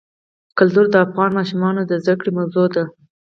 کلتور د افغان ماشومانو د زده کړې موضوع ده.